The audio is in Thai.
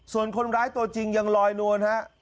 ส่วนคนร้ายตัวจริงยังลอยนวลฮะ